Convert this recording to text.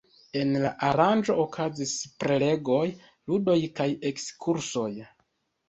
En la aranĝo okazis prelegoj, ludoj kaj ekskursoj.